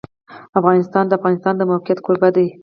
افغانستان د د افغانستان د موقعیت کوربه دی.